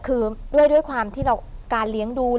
๓ราศีนี้